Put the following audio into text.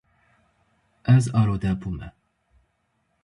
Ez arode bûme.